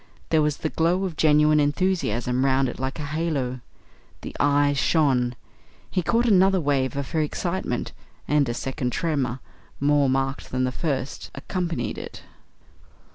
There was the glow of genuine enthusiasm round it like a halo. The eyes shone. He caught another wave of her excitement, and a second tremor, more marked than the first, accompanied it.